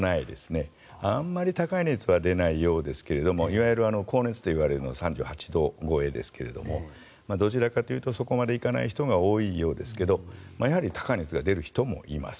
あまり高い熱は出ないようですがいわゆる高熱といわれるのは３８度超えですけどどちらかというとそこまでいかない人が多いようなんですけれども高い熱が出る人もいます。